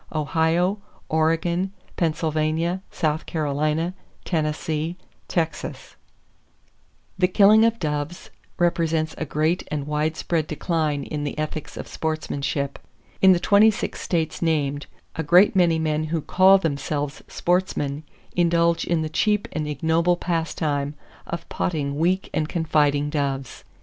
of Columbia Maryland North Carolina Texas Utah Virginia The killing of doves represents a great and widespread decline in the ethics of sportsmanship. In the twenty six States named, a great many men who call themselves sportsmen indulge in the cheap and ignoble pastime of potting weak and confiding doves.